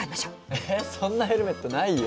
えそんなヘルメットないよ。